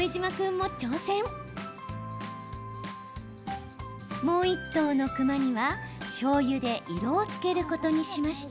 もう一頭の熊には、しょうゆで色をつけることにしました。